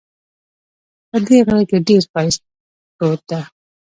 په دې غره کې ډېر ښایست پروت ده